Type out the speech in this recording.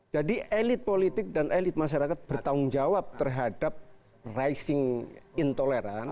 jadi elit politik dan elit masyarakat bertanggung jawab terhadap rising intoleran